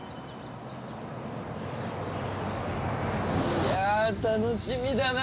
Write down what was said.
いやあ楽しみだな！